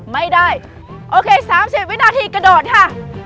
ไม่ได้โอเค๓๐วินาทีกระโดดค่ะ